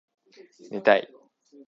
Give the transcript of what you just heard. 寝たい